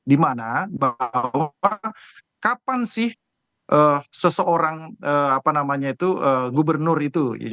dimana bahwa kapan sih seseorang apa namanya itu gubernur itu